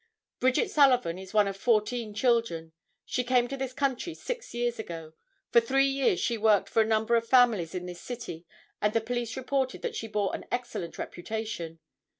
Bridget Sullivan is one of fourteen children. She came to this country six years ago. For three years she worked for a number of families in this city and the police reported that she bore an excellent reputation.